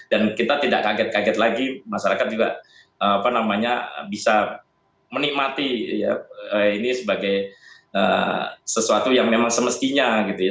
dan kita tidak kaget kaget lagi masyarakat juga bisa menikmati ini sebagai sesuatu yang memang semestinya gitu ya